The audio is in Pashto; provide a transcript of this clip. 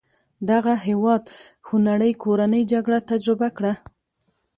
دغه هېواد خونړۍ کورنۍ جګړه تجربه کړه.